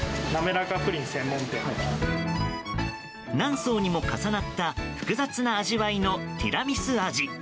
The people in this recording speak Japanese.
何層にも重なった複雑な味わいのティラミス味。